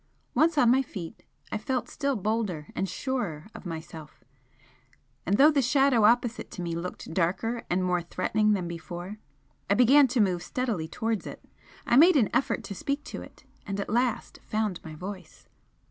Once on my feet I felt still bolder and surer of myself, and though the Shadow opposite to me looked darker and more threatening than before, I began to move steadily towards it. I made an effort to speak to it, and at last found my voice.